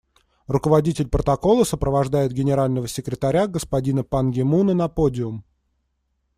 Руководитель протокола сопровождает Генерального секретаря господина Пан Ги Муна на подиум.